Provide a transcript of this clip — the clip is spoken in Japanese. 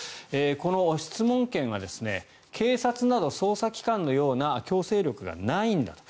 この質問権は警察など捜査機関のような強制力がないんだと。